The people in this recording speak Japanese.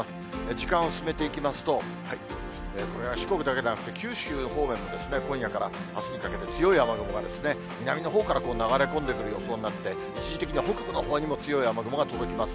時間を進めていきますと、これが四国だけじゃなくて、九州方面もですね、今夜からあすにかけて、強い雨雲が、南のほうから流れ込んでくる予想になって、一時的には北部のほうにも強い雨雲が届きます。